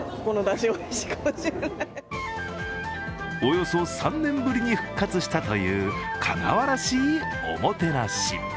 およそ３年ぶりに復活したという香川らしいおもてなし。